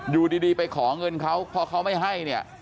อยู่ดีไปขอเงินเขาพอเขาไม่ให้เนี่ย